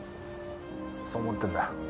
そう思ってるんだよ。